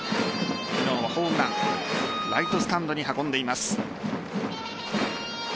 昨日はホームランライトスタンドに運んでいます。